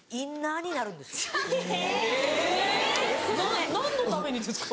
な何のためにですか？